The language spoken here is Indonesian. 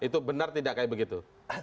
itu benar tidak kayak begitu